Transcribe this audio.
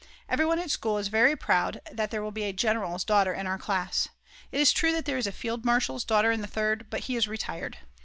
Everyone at school is very proud that there will be a general's daughter in our class. It's true that there is a field marshal's daughter in the Third, but he is retired.